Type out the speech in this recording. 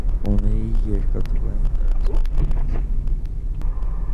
Ունի երկաթուղային տրանսպորտի ինստիտուտ։